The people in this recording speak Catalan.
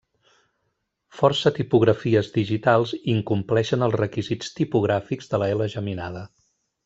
Força tipografies digitals incompleixen els requisits tipogràfics de la ela geminada.